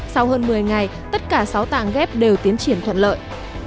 sau hơn một mươi ngày tất cả sáu tạng ghép đều tiến triển thuận lợi